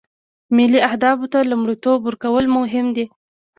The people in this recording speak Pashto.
ملي اهدافو ته لومړیتوب ورکول مهم دي